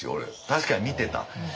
確かに見てた。